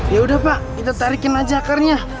ya udah pak kita tarikin aja akarnya